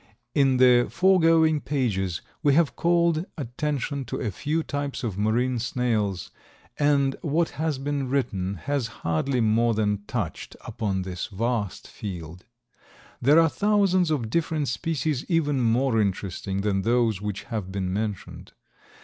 In the foregoing pages we have called attention to a few types of marine snails, and what has been written has hardly more than touched upon this vast field. There are thousands of different species even more interesting than those which have been mentioned.